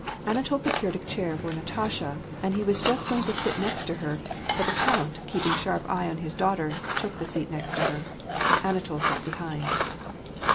Anatol procured a chair for Natasha, and was just going to sit next her ; but the county keeping a sharp eye on his daughter, took the seat next her. Anatol sat be hind.